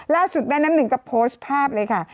ล่าสุดแม่น้ำหนึ่งก็โพสต์ภาพเลยค่ะ